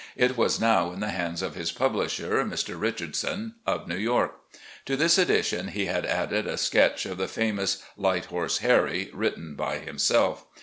It was now in the hands of his publisher, Mr. Richardson, of New York. To this edition he had added a sketch of the famous "Light Horse Harry," written by himself.